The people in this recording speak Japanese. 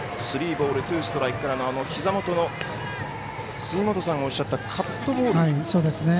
スリーボールツーストライクからのひざ元の杉本さんがおっしゃったカットボール。